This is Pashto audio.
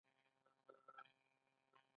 ایران د ورېښمو تولید کوي.